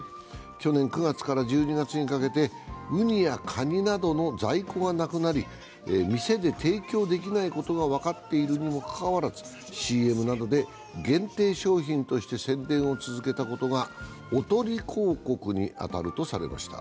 去年９月から１２月にかけてウニやカニなどの在庫がなくなり店で提供できないことが分かっているにもかかわらず、ＣＭなどで限定商品として宣伝を続けたことがおとり広告に当たるとされました。